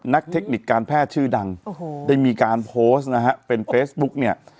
เทคนิคการแพทย์ชื่อดังโอ้โหได้มีการโพสต์นะฮะเป็นเฟซบุ๊กเนี่ย